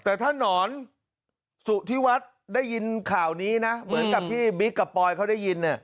แต่ถ้านอนสุธิวัฒน์ได้ยินข่าวนี้นะเหมือนกับที่บิ๊กกับปอยเขาได้ยิน